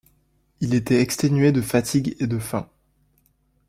Il était exténué de fatigue et de faim.